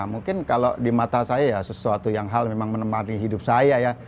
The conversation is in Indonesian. mungkin kalau di mata saya ya sesuatu yang hal memang menemani hidup saya ya